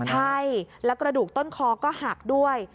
ใช่แล้วกระดูกต้นคอก็หักด้วย